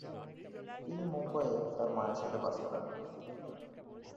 তিনি মুম্বাইয়ে তার মায়ের সাথে বাস করেন।